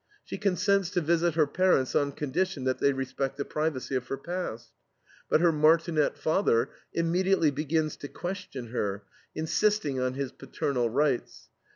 She consents to visit her parents on condition that they respect the privacy of her past. But her martinet father immediately begins to question her, insisting on his "paternal rights."